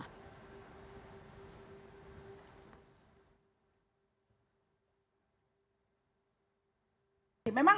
tidak ada pernyataan